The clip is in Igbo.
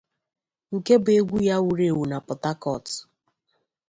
Nke bụ egwu ya wuru ewu na Port Harcourt.